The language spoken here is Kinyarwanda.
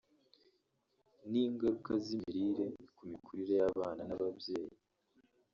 n’ingaruka z’imirire ku mikurire y’abana n’ababyeyi